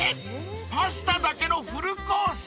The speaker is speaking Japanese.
パスタだけのフルコース？］